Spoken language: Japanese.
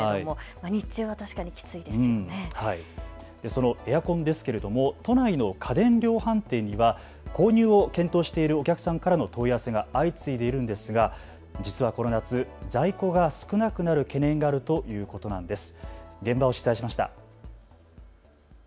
そのエアコンですけれども都内の家電量販店には購入を検討しているお客さんからの問い合わせが相次いでいるんですが、実はこの夏在庫が少なくなる懸念があるということなんです。